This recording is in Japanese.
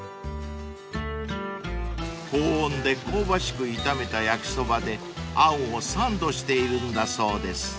［高温で香ばしく炒めた焼きそばであんをサンドしているんだそうです］